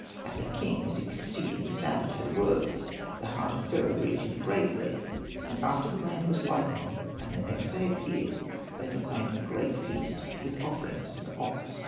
And the king was exceeding sad at her words, the heart of Pharaoh grieved him greatly. And after the land was lightened, and the next day appeared, they proclaimed a great feast with offerings to the ox.